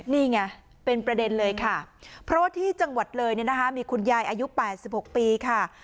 นี่ไงเป็นประเด็นเลยค่ะเพราะว่าที่จังหวัดเลยเนี่ยนะคะมีคุณยายอายุ๘๖ปีค่ะ